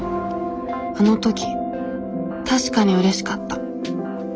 あの時確かにうれしかった。